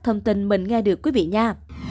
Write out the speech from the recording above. thông tin mình nghe được quý vị nha